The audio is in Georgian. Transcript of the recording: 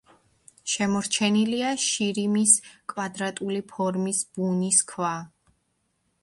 შემორჩენილია შირიმის კვადრატული ფორმის ბუნის ქვა.